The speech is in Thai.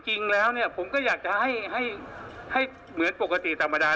จริงแล้วเนี่ยผมก็อยากจะให้เหมือนปกติธรรมดา